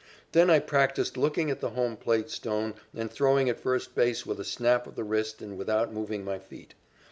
Then I practised looking at the home plate stone and throwing at first base with a snap of the wrist and without moving my feet.